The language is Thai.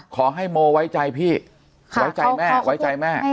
ขอให้โมไว้ใจพี่ไว้ใจแม่